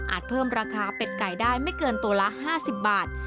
เพิ่มราคาเป็ดไก่ได้ไม่เกินตัวละ๕๐บาท